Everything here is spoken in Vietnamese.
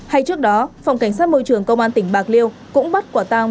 hay trước đó phòng cảnh sát môi trường công an tỉnh bạc liêu cũng bắt quả tang